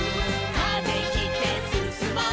「風切ってすすもう」